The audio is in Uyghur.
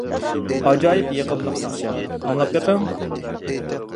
ئاجايىپ يېقىملىق ناخشا، ئاڭلاپ بېقىڭ!